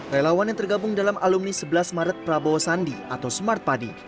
relawan yang tergabung dalam alumni sebelas maret prabowo sandi atau smart padi